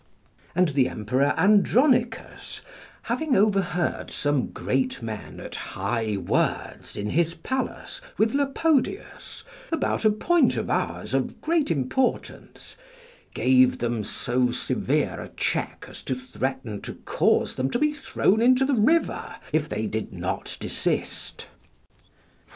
And the Emperor Andronicus having overheard some great men at high words in his palace with Lapodius about a point of ours of great importance, gave them so severe a check as to threaten to cause them to be thrown into the river if they did not desist.